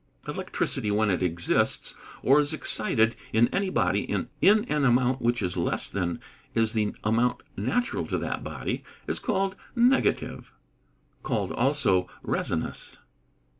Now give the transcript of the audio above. _ Electricity, when it exists, or is excited, in any body, in an amount which is less than is the amount natural to that body, is called negative (called also resinous).